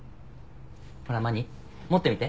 ほらまに持ってみて。